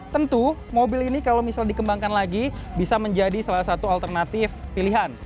tentu mobil ini kalau misal dikembangkan lagi bisa menjadi salah satu alternatif pilihan